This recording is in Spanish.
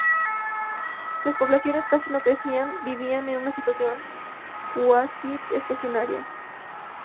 Las Poblaciones casi no crecían, vivían en una situación cuasi estacionaria.